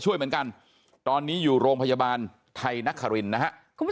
ช่วยเหมือนกันตอนนี้อยู่โรงพยาบาลไทยนักครินนะครับคุณผู้